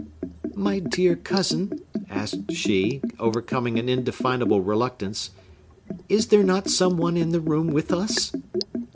"My dear cousin," asked she, overcoming an indefinable reluctance, "is there not some one in the room with us?"